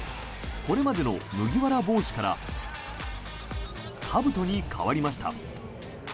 これまでの麦わら帽子からかぶとに変わりました。